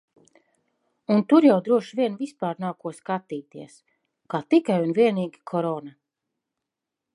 Un tur jau droši vien vispār nav ko skatīties. Kā tikai un vienīgi Corona.